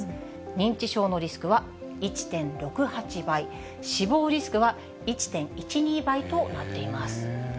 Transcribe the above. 認知症のリスクは１．６８倍、死亡リスクは１．１２倍となっています。